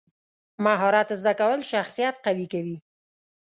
مهارت زده کول شخصیت قوي کوي.